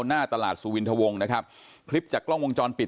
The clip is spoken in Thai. หน้าตลาดสุวินทวงนะครับคลิปจากกล้องวงจรปิด